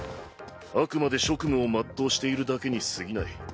あくまで職務を全うしているだけにすぎない。